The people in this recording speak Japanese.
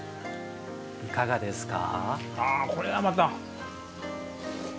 いかがですか？